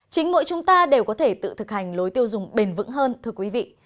chính mỗi chúng ta đều có thể tự thực hành lối tiêu dùng bền vững hơn thưa quý vị